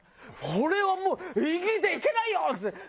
「俺はもう生きていけないよ！」っつって。